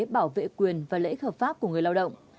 bảo vệ quyền và lễ khẩu pháp của người lao động